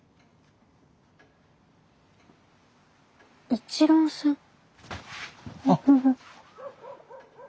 一郎さん？あっ。